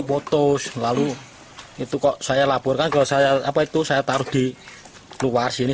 putus lalu itu kok saya laporkan ke saya apa itu saya taruh di luar sini